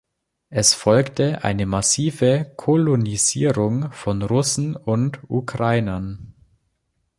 Es folgte eine massive Kolonisierung von Russen und Ukrainern.